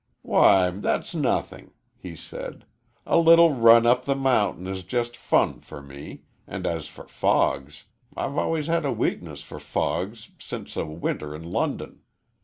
"Why, that's nothing," he said; "a little run up the mountain is just fun for me, and as for fogs, I've always had a weakness for fogs since a winter in London.